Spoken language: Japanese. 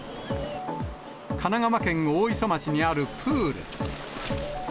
神奈川県大磯町にあるプール。